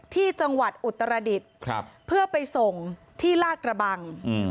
ที่จังหวัดอุตรดิษฐ์เพื่อไปส่งที่ลาดกระบัง